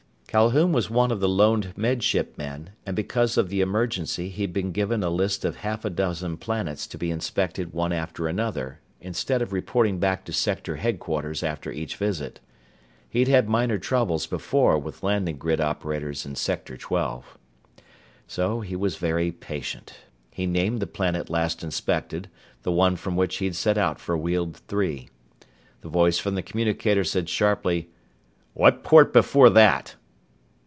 Calhoun was one of the loaned Med Ship men, and because of the emergency he'd been given a list of half a dozen planets to be inspected one after another, instead of reporting back to sector headquarters after each visit. He'd had minor troubles before with landing grid operators in Sector Twelve. So he was very patient. He named the planet last inspected, the one from which he'd set out for Weald Three. The voice from the communicator said sharply: "What port before that?"